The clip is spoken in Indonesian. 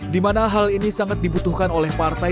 dimana hal ini sangat dibutuhkan oleh partai